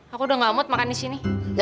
aku udah ga mau makan disini